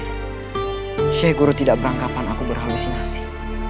tapi syekh guru tidak beranggapan aku berhalusinasi